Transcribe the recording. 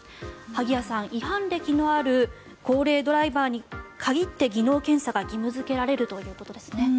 萩谷さん、違反歴のある高齢ドライバーに限って技能検査が義務付けられるということですね。